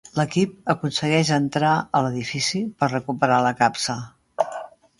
L'equip aconsegueix entrar a l'edifici per recuperar la capsa.